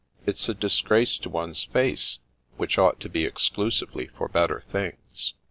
" It's a disgrace to one's face, which ought to be exclusively for better things.